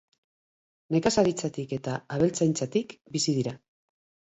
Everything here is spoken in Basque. Nekazaritzatik eta abeltzaintzatik bizi dira.